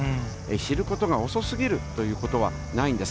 知ることが遅すぎるということはないんです。